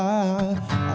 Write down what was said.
aku ingin ku lupa